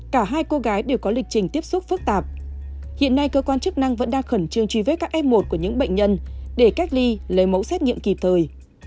cả hai cô gái đều có lịch trình tiếp xúc phức tạp hiện nay cơ quan chức năng vẫn đang khẩn trương truy vết các f một của những bệnh nhân để cách ly lấy mẫu xét nghiệm kịp thời